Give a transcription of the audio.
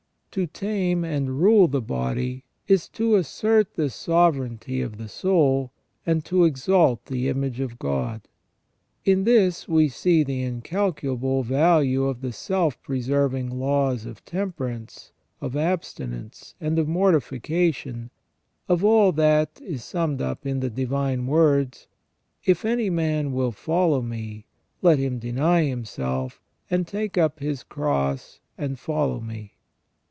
To tame and rule the body is to assert the sovereignty of the soul, and to exalt the image of God. In this we see the incalculable value of the self preserving laws of temperance, of abstinence, and of mortifica tion, of all that is summed up in the divine words ;" If any man will follow me, let him deny himself, and take up his cross, and follow me".